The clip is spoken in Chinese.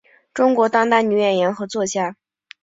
中国当代女演员和作家。